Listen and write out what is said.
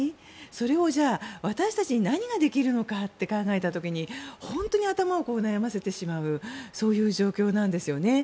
それを私たちに何ができるのかって考えた時に本当に頭を悩ませてしまう状況なんですよね。